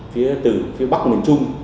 phía từ phía bắc miền trung